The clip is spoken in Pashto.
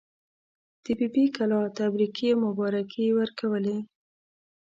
د بي بي کلا تبریکې او مبارکۍ یې ورکولې.